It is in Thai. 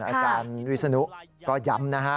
อาจารย์วิศนุก็ย้ำนะฮะ